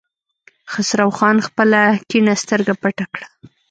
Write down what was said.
خسرو خان خپله کيڼه سترګه پټه کړه.